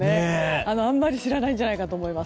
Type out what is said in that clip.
あんまり知らないんじゃないかと思います。